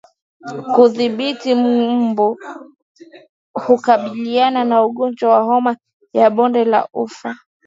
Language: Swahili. Kudhibiti mbu hukabiliana na ugonjwa wa homa ya bonde la ufa